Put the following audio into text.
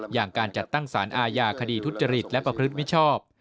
อย่างการจัดตั้งสารอาญาคดีทุจริตและประพฤติมิชชอบ